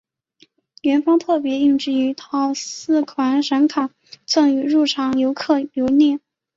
园方特别印制一套四款闪卡赠予入场游客留念。